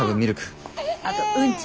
あとうんち。